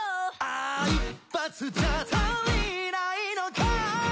「一発じゃ足りないのかい」